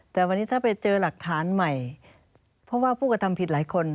แต่วันนี้ถ้าไปเจอหลักฐานใหม่เพราะว่าผู้กระทำผิดหลายคน